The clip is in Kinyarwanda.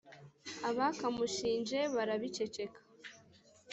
abakamushinje barabiceceka